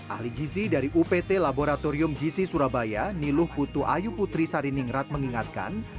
ahli gizi dari upt laboratorium gizi surabaya niluh putu ayu putri sari ningrat mengingatkan